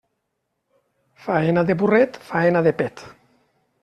Faena de burret, faena de pet.